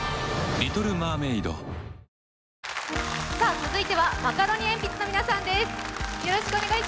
続いてはマカロニえんぴつの皆さんです。